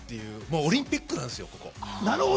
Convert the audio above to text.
オリンピックなんですよ、ここ。